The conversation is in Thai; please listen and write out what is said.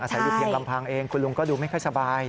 ใส่อยู่เพียงลำพังเองคุณลุงก็ดูไม่ค่อยสบาย